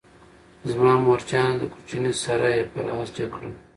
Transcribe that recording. زما مورجانه دکوچنی سره یې پر آس جګ کړل،